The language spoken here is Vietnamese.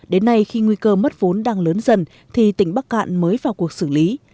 đến nay khi nguy cơ mất vốn đang lớn dần thì tỉnh bắc cạn mới vào cuộc xử lý